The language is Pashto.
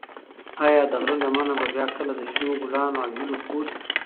ایا د غره لمنه به بیا کله د شنو ګلانو او هیلو کور شي؟